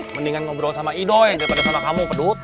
mendingan ngobrol sama idoy daripada sama kamu pedut